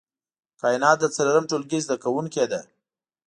کاينات د څلورم ټولګي زده کوونکې ده